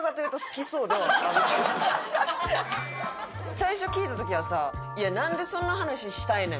最初聞いた時はさ「なんでそんな話したいねん」